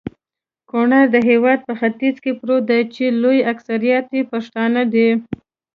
کونړ د هيواد په ختیځ کي پروت دي.چي لوي اکثريت يي پښتانه دي